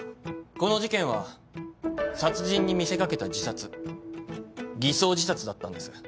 この事件は殺人に見せかけた自殺偽装自殺だったんです。